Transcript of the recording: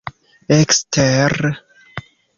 ekster